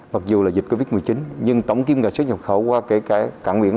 mặc dù là dịch covid một mươi chín nhưng tổng tiêm kẻ xuất nhập khẩu qua cảng biển